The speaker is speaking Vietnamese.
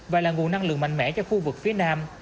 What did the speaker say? và là nguồn năng lượng mạnh mẽ cho khu vực phía nam